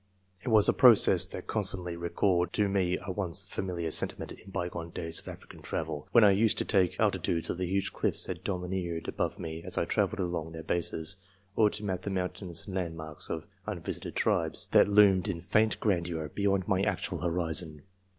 It was a process that constantly recalled to me a once familiar sentiment in bygone days of African travel, when I used to take altitudes of the huge cliffs that domineered above me as I travelled along their bases, or to map the mountainous landmarks of unvisited tribes, that loomed in faint grandeur beyond my actual horizon.